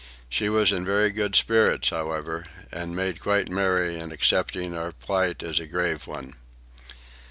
She was in very good spirits, however, and made quite merry in accepting our plight as a grave one.